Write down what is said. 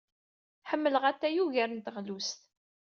Ḥemmleɣ atay ugar n teɣlust.